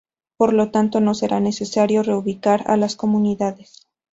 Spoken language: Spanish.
Por lo tanto, no será necesario reubicar a las comunidades.